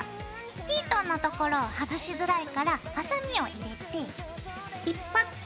ヒートンのところは外しづらいからハサミを入れて引っ張って。